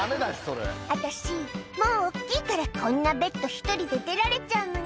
私もう大っきいからこんなベッド１人で出られちゃうもんね」